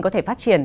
có thể phát triển